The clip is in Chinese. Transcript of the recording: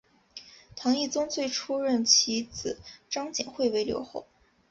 唐懿宗最初任其子张简会为留后。